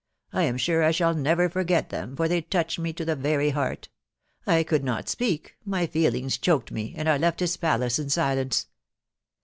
I am sure I shall never forget them, for they touched me to the very heart I could not speak, my feelings choked me, and I left his palace in silence.